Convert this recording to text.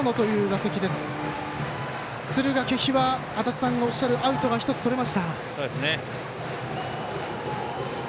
敦賀気比は足達さんがおっしゃるアウトが１つとれました。